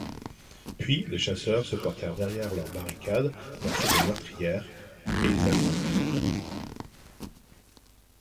Puis, les chasseurs se portèrent derrière leur barricade percée de meurtrières, et ils attendirent.